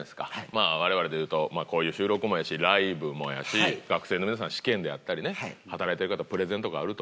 まあ我々で言うとこういう収録もやしライブもやし学生の皆さん試験であったりね働いてる方プレゼンとかあると思います。